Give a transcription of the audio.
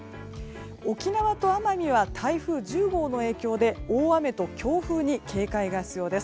沖縄と奄美は台風１０号の影響で大雨と強風に警戒が必要です。